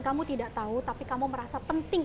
kamu tidak tahu tapi kamu merasa penting